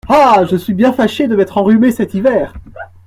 Ah ! je suis bien fâché de m’être enrhumé cet hiver !